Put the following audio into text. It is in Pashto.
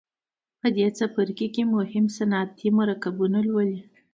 په دې څپرکي کې مهم صنعتي مرکبونه لولئ.